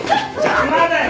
邪魔だよ。